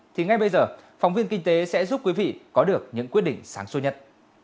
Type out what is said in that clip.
thì ngay bây giờ phóng viên kinh tế sẽ giúp quý vị có được những quyết định sáng suốt nhất